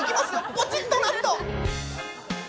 ポチッとなっと！